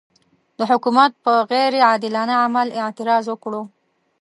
د حکومت پر غیر عادلانه عمل اعتراض وکړو.